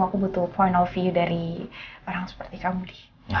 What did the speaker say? aku butuh point of view dari orang seperti kamu di